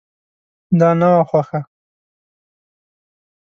دا نه وه خوښه.